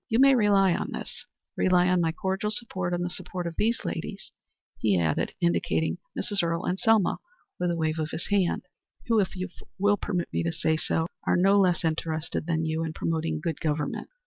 You may rely on this rely on my cordial support, and the support of these ladies," he added, indicating Mrs. Earle and Selma, with a wave of his hand, "who, if you will permit me to say so, are no less interested than you in promoting good government."